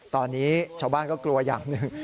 ตอนนี้ชาวบ้านก็กลัวอย่างหนึ่ง